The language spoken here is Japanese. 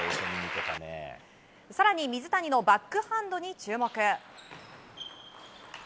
更に水谷のバックハンドに注目。